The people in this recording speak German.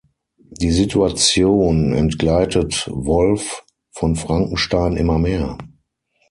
Die Situation entgleitet Wolf von Frankenstein immer mehr.